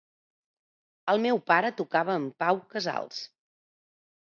El meu pare tocava amb Pau Casals.